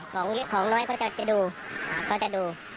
ของเยอะของน้อยก็จะดู